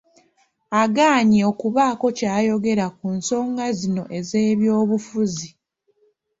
Agaanye okubaako ky'ayogera ku nsonga zino ez'ebyobufuzi.